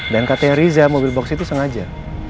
dan katanya riza mobil box itu sengaja